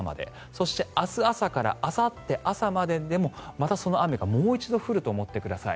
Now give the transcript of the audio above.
そして明日朝からあさって朝までもまたその雨がもう一度降ると思ってください。